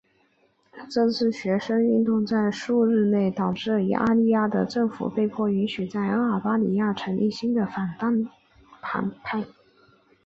这次学生运动在数日内导致阿利雅的政府被迫允许在阿尔巴尼亚成立新的反对党派。